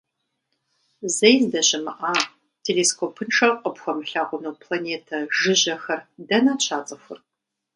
Зэи здэщымыӏа, телескопыншэу къыпхуэмылъэгъуну планетэ жыжьэхэр дэнэт щацӏыхур?